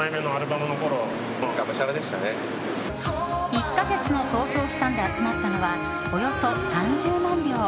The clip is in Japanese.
１か月の投票期間で集まったのはおよそ３０万票。